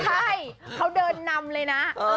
ใช่เขาเดินนำเลยนะ